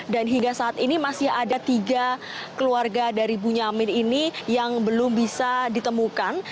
dan hingga saat ini masih ada tiga keluarga dari bu nyamin ini yang belum bisa ditemukan